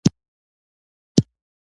هو، ټولو ته یو څه